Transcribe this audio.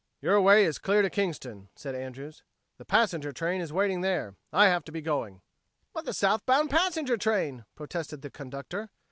"Your way is clear to Kingston," said Andrews. "The passenger train is waiting there. I have to be going." "But the southbound passenger train!" protested the conductor.